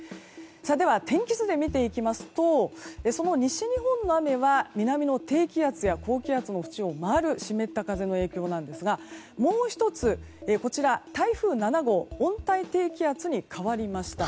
では天気図で見ていきますとその西日本の雨は南の低気圧や高気圧を回る湿った風の影響なんですがもう１つ台風７号が温帯低気圧に変わりました。